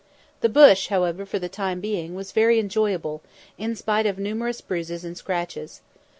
The bush, however, for the time being, was very enjoyable, in spite of numerous bruises and scratches.